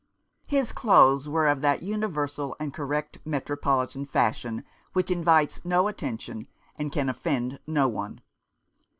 His clothes were of that universal and correct metropolitan fashion which invites no attention, and can offend no one.